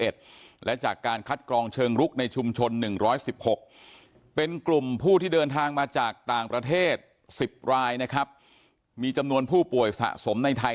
ทางมาจากต่างประเทศสิบรายนะครับมีจำนวนผู้ป่วยสะสมในไทย